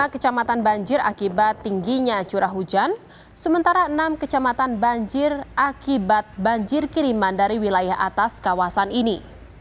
tiga kecamatan banjir akibat tingginya curah hujan sementara enam kecamatan banjir akibat banjir kiriman dari wilayah atas kawasan ini